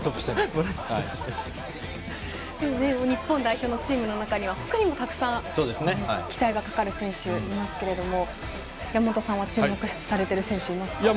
日本代表のチームの中には他にも、たくさん期待がかかる選手がいますけども山本さんは注目されている選手はいますか。